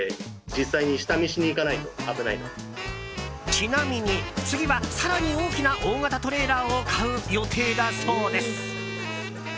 ちなみに、次は更に大きな大型トレーラーを買う予定だそうです。